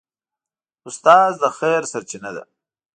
استاد د خیر سرچینه ده.